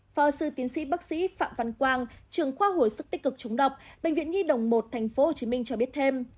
phó sư tiến sĩ bác sĩ phạm văn quang trường khoa hồi sức tích cực chống độc bệnh viện nhi đồng một tp hcm cho biết thêm